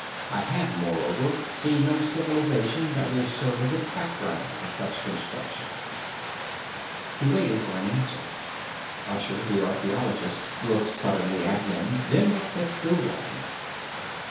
I have, moreover, seen no civilization that will serve as a background for such construction." He waited for an answer. Usher, the archeologist, looked suddenly at him, then looked at Thulon.